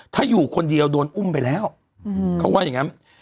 ถ้าอยู่คนเดียวโดนอุ้มไปแล้วเขาว่าอย่างนั้น